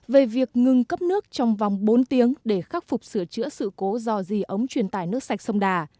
về việc ngừng cấp nước trong vòng bốn tiếng để khắc phục sửa chữa sự cố dò dì ống truyền tải nước sạch sông đà